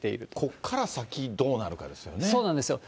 ここから先、どうなるかですよね。